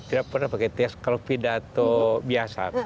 tidak pernah pakai tes kalau pidato biasa